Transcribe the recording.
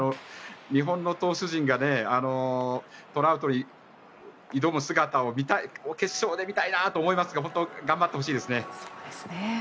日本の投手陣がトラウトに挑む姿を決勝で見たいなと思いますが本当、頑張ってほしいですね。